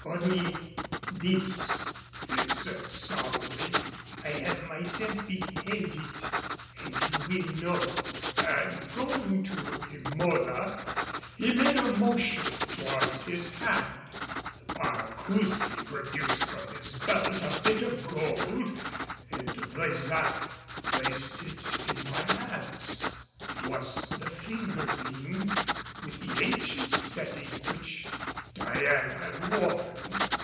"Only this," he said solemnly; "I have myself beheld it and you will know." And going to Emola he made a motion towards his hand. The Paracousi produced from his belt a bit of gold and De Brésac placed it in my hands. It was the finger ring with the ancient setting which Diane had worn!